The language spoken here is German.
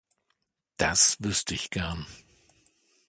Das wüsste ich gern.